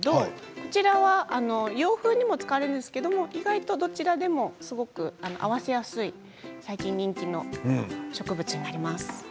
こちらは洋風にも使われるんですけど意外と、どちらでも合わせやすい、最近人気の植物です。